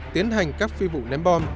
tiến hành các phi vụ ném bom